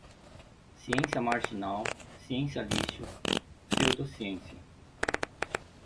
ciência marginal, ciência lixo, pseudociência